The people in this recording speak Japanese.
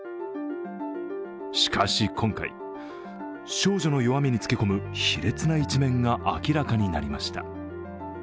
しかし今回、少女の弱みにつけ込む卑劣な一面が明らかになりました。